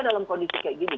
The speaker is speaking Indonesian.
kita dalam kondisi kayak gini